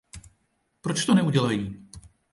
Proč to neudělají?